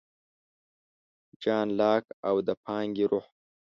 جان لاک او د پانګې روح